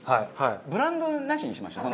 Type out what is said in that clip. ブランドなしにしましょう。